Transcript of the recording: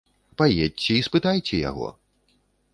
Паедзьце і спытайце яго!